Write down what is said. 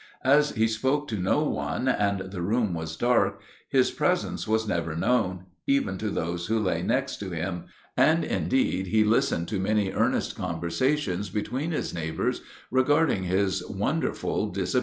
As he spoke to no one and the room was dark, his presence was never known, even to those who lay next to him; and indeed he listened to many earnest conversations between his neighbors regarding his wonderful disappearance.